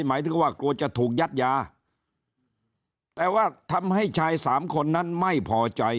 หมายถึงว่ากลัวจะถูกยัดยาแต่ว่าทำให้ชายสามคนนั้นไม่พอใจ